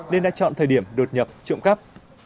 nên đã chọn thời điểm đột nhập trộm cắp